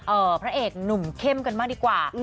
เอ่อพระเอกหนุ่มเข้มกันมากดีกว่า